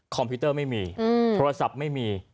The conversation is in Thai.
พิวเตอร์ไม่มีโทรศัพท์ไม่มี